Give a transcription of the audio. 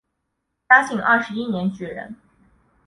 嘉庆二十一年举人。